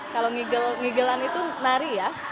kalau ngigel ngigelan itu nari ya